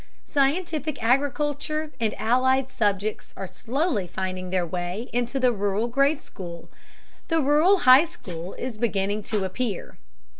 Scientific agriculture and allied subjects are slowly finding their way into the rural grade school. The rural high school is beginning to appear.